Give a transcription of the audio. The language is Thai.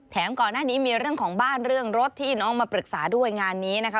ก่อนหน้านี้มีเรื่องของบ้านเรื่องรถที่น้องมาปรึกษาด้วยงานนี้นะคะ